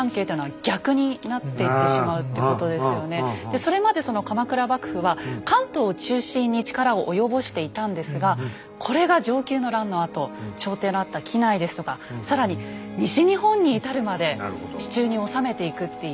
それまで鎌倉幕府は関東を中心に力を及ぼしていたんですがこれが承久の乱のあと朝廷のあった畿内ですとか更に西日本に至るまで手中に収めていくっていう。